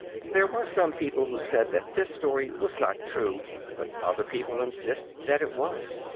There were some people who said that this story was not true, but other people insisted that it was.